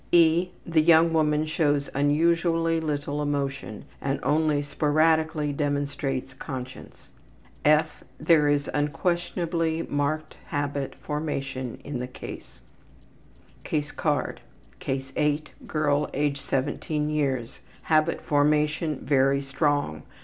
(e) The young woman shows unusually little emotion, and only sporadically demonstrates conscience. (f) There is unquestionably marked habit formation in the case. Habit formation: Very strong.